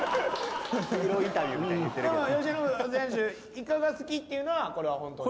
イカが好きっていうのはこれは本当に？